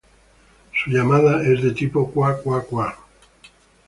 Su llamada es de tipo "kua-kua-kua".